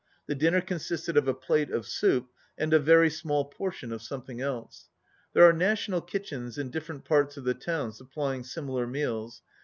The dinner consisted of a plate of soup, and a very small portion of something else. There are Na tional Kitchens in different parts of the town sup plying similar meals.